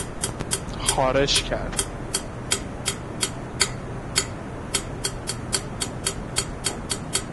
خارش کرد